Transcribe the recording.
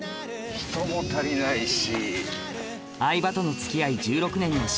時間も足りないし。